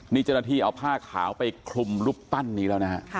นี่เจณฐีเอาผ้าขาวไปคลุมลุบปั้นนี้แล้วนะ